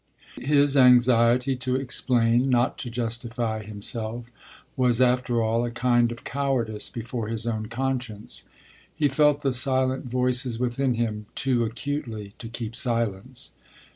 His anxiety to explain, not to justify, himself was after all a kind of cowardice before his own conscience. He felt the silent voices within him too acutely to keep silence.